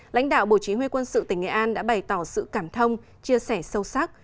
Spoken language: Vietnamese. lãnh đạo bộ chỉ huy quân sự tỉnh nghệ an đã bày tỏ sự cảm thông chia sẻ sâu sắc